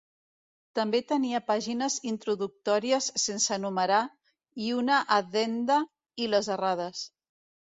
També tenia pàgines introductòries sense numerar i una addenda i les errades.